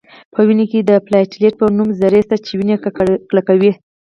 په وینه کې د پلاتیلیت په نوم ذرې شته چې وینه کلکوي